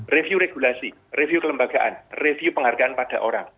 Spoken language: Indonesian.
review regulasi review kelembagaan review penghargaan pada orang